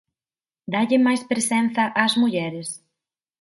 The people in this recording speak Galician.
Dálle máis presenza ás mulleres?